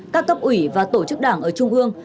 các cấp ủy và tổ chức đảng ở trung ương